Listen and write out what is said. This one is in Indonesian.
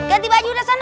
ganti baju udah sana